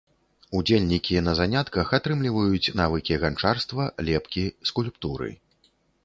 Удзельнікі на занятках атрымліваюць навыкі ганчарства, лепкі, скульптуры.